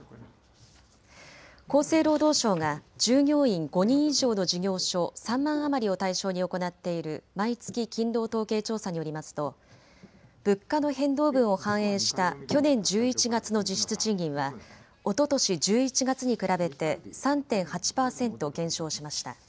厚生労働省が従業員５人以上の事業所３万余りを対象に行っている毎月勤労統計調査によりますと物価の変動分を反映した去年１１月の実質賃金はおととし１１月に比べて３．８％減少しました。